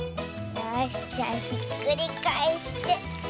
よしじゃひっくりかえして。